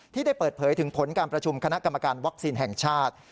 ได้เปิดเผยถึงผลการประชุมคณะกรรมการวัคซีนแห่งชาติ